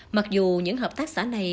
mặc dù những hợp tác xã này